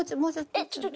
えっちょっと。